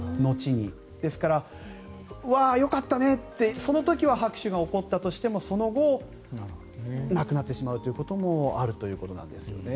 その時は拍手が起こったとしてもその後亡くなってしまうということもあるということなんですよね。